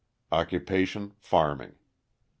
Occupation, farming. P.